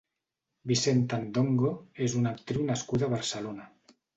Vicenta N'Dongo és una actriu nascuda a Barcelona.